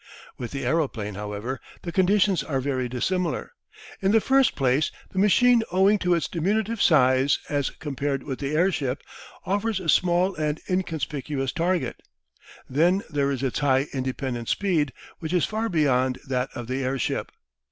With the aeroplane, however, the conditions are very dissimilar. In the first place the machine owing to its diminutive size as compared with the airship, offers a small and inconspicuous target. Then there is its high independent speed, which is far beyond that of the airship.